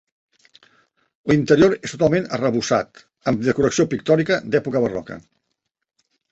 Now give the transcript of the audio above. L'interior és totalment arrebossat amb decoració pictòrica d'època barroca.